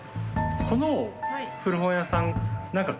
この古本屋さん